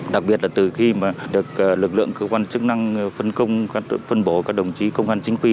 đặc biệt là từ khi được lực lượng cơ quan chức năng phân công phân bổ các đồng chí công an chính quy